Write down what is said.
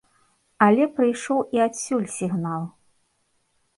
Але прыйшоў і адсюль сігнал.